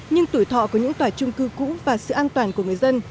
nhưng tuổi thọ của những tòa trung cư cũ và sự an toàn của người dân